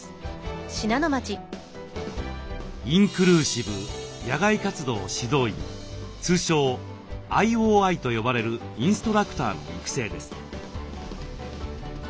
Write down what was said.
インクルーシブ野外活動指導員通称ＩＯＩと呼ばれるインストラクターの育成です。